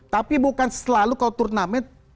tapi bukan selalu kalau turnamen